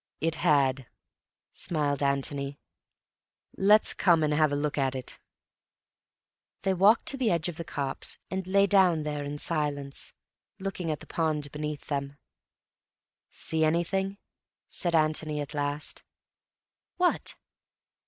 "It had," smiled Antony. "Let's come and have a look at it." They walked to the edge of the copse, and lay down there in silence, looking at the pond beneath them. "See anything?" said Antony at last. "What?"